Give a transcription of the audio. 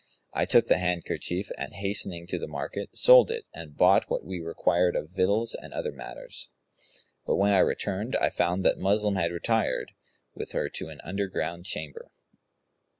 I took the handkerchief, and hastening to the market, sold it and bought what we required of victuals and other matters; but when I returned, I found that Muslim had retired, with her to an underground chamber.